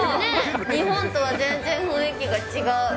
日本とは全然雰囲気が違う。